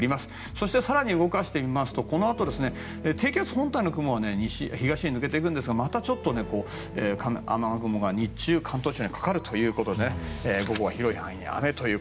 そして更に動かしてみますとこのあと低気圧本体の雲は東へ抜けていくんですがまたちょっと雨雲が日中、関東地方にかかるということで午後は広い範囲で雨。